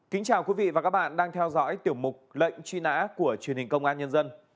kính chào quý vị và các bạn đang theo dõi tiểu mục lệnh truy nã của truyền hình công an nhân dân